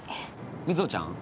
瑞穂ちゃん